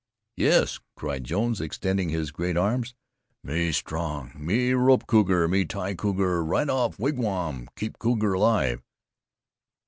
"Yes," cried Jones, extending his great arms. "Me strong; me rope cougar me tie cougar; ride off wigwam, keep cougar alive."